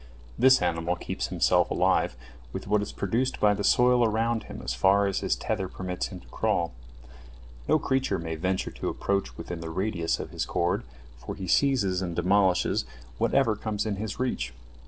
This animal keeps himself alive with what is produced by the soil around about him as far as his tether permits him to crawl. No creature may venture to approach within the radius of his cord, for he seizes and demolishes whatever comes in his reach.